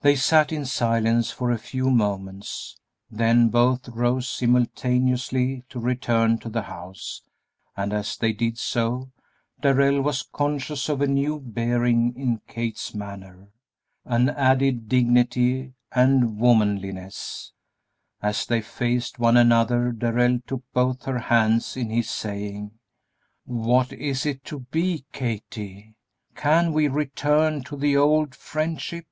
They sat in silence for a few moments; then both rose simultaneously to return to the house, and as they did so Darrell was conscious of a new bearing in Kate's manner, an added dignity and womanliness. As they faced one another Darrell took both her hands in his, saying, "What is it to be, Kathie? Can we return to the old friendship?"